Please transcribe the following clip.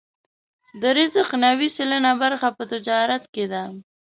د رزق نوې سلنه برخه په تجارت کې ده.